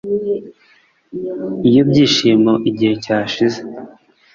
Iyo byishimo igihe cyashize